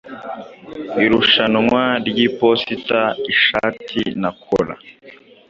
Irushanwa ryiposita-ishati na cola